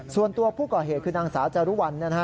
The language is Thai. ส่วนตัวผู้ก่อเหตุคือนางสาวจารุวัล